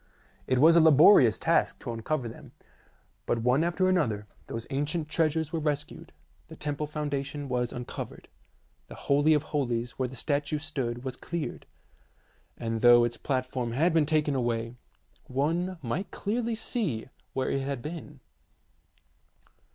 It was a laborious task to uncover them, but one after another those ancient treasures were rescued; the temple foundation was uncovered; the holy of holies where the statue stood was cleared, and though its platform had been taken away, one might clearly see where it had been.